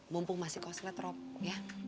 bumpuh masih koslet rob ya